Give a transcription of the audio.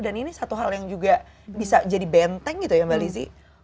dan ini satu hal yang juga bisa jadi benteng gitu ya mbak lizzie